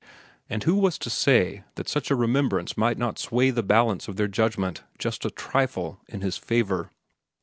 And who was to say that such a remembrance might not sway the balance of their judgment just a trifle in his favor?